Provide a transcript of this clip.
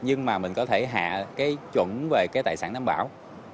nhưng mà mình có thể hạ cái chuẩn về cái tài sản đảm bảo